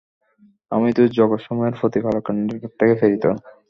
আমি তো জগতসমূহের প্রতিপালকের নিকট থেকে প্রেরিত।